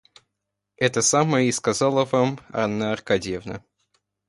Это самое и сказала вам Анна Аркадьевна.